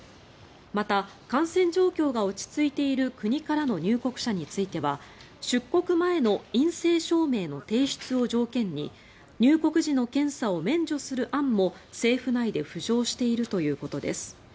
また、感染状況が落ち着いている国からの入国者については出国前の陰性証明の提出を条件に入国時の検査を免除する案も政府内で浮上しているということです。